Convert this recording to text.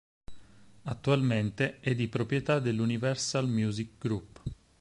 Attualmente è di proprietà dell'Universal Music Group.